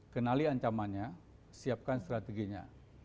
kenali ancamannya siapkan strateginya